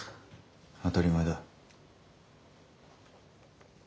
当たり前だ。